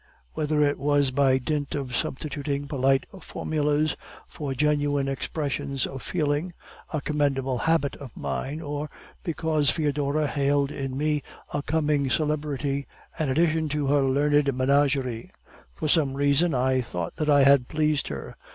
Whether it was by dint of substituting polite formulas for genuine expressions of feeling, a commendable habit of mine, or because Foedora hailed in me a coming celebrity, an addition to her learned menagerie; for some reason I thought that I had pleased her.